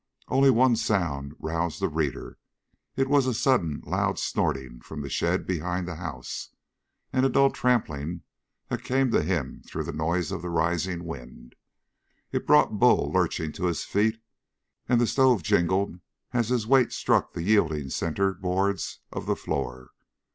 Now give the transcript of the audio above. Only one sound roused the reader. It was a sudden loud snorting from the shed behind the house and a dull trampling that came to him through the noise of the rising wind. It brought Bull lurching to his feet, and the stove jingled as his weight struck the yielding center boards of the floor.